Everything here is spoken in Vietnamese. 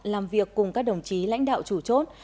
làm việc cùng các đồng chí lãnh đạo chủ chốt